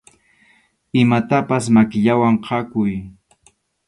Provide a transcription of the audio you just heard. Imatapaq makillawan khakuy.